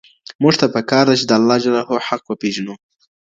موږ ته پکار ده چي د الله حق وپېژنو.